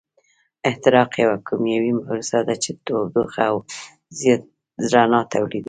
احتراق یوه کیمیاوي پروسه ده چې تودوخه او رڼا تولیدوي.